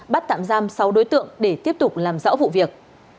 bắt tạm giam sáu đối tượng để tiếp tục làm rõ vụ việc